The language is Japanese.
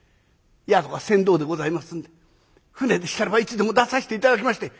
夫は船頭でございますんで舟でしたらばいつでも出さして頂きまして」。